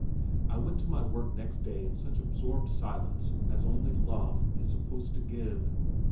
I went to my work next day in such absorbed silence as only love is supposed to give.